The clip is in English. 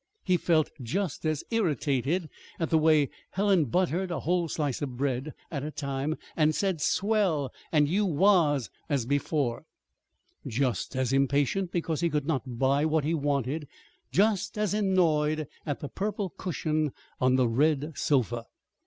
He felt just as irritated at the way Helen buttered a whole slice of bread at a time, and said "swell" and "you was," as before; just as impatient because he could not buy what he wanted; just as annoyed at the purple cushion on the red sofa.